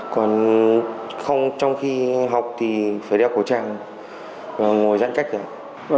còn trong khi học thì phải đeo khẩu trang và ngồi giãn cách